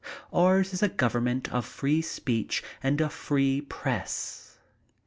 Ours is a government of free speech and a free press.